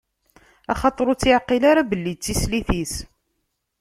Axaṭer ur tt-iɛqil ara belli d tislit-is.